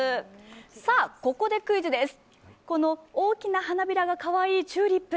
さあここでクイズです。